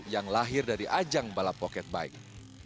yang lahir dari ajang balap pocket bike